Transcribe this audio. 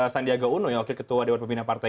sandiaga uno yang wakil ketua dewan pembina partai